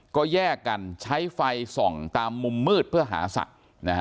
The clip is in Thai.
ก็แยกกันใช้ไฟส่องตามมุมมืดเพื่อหาสัตว์